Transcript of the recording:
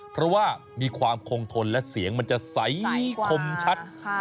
เพราะว่ามีความคงทนและเสียงมันจะใสคมชัด